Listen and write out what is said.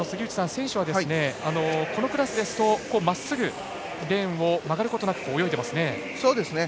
選手は、このクラスですとまっすぐレーンを曲がることなく泳いでいますね。